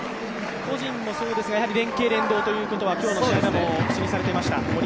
個人もそうですが連係・連動ということは今日の試合でも口にされていました。